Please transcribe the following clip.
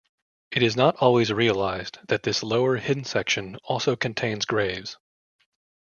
It is not always realised that this lower, hidden section also contains graves.